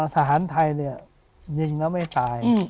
สหรัฐไทยเนี่ยยิงแล้วไม่ตาย